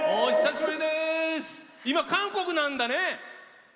今、韓国なんだね。